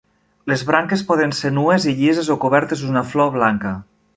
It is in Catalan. Les branques poden ser nues i llises o cobertes d'una flor blanca.